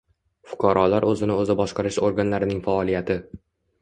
Fuqarolar o'zini o'zi boshqarish organlarining faoliyati